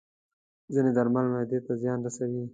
ځینې درمل معده ته زیان رسوي.